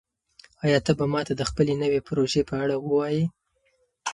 آیا ته به ماته د خپلې نوې پروژې په اړه ووایې؟